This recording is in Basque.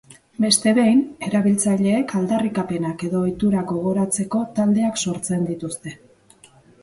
Beste behin, erabiltzaileek aldarrikapenak edo ohiturak gogoratzeko taldeak sortzen dituzte.